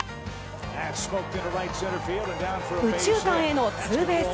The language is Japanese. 右中間へのツーベース。